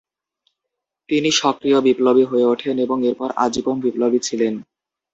তিনি সক্রিয় বিপ্লবী হয়ে ওঠেন এবং এরপর আজীবন বিপ্লবী ছিলেন।